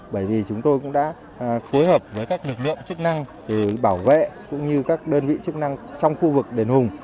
bởi vì chúng tôi cũng đã phối hợp với các lực lượng chức năng bảo vệ cũng như các đơn vị chức năng trong khu vực đền hùng